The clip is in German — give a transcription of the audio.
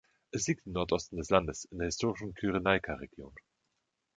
Es liegt im Nordosten des Landes, in der historischen Kyrenaika-Region.